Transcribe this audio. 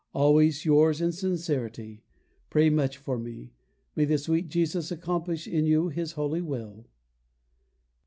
Always yours in sincerity. Pray much for me. May the sweet Jesus accomplish in you His holy will!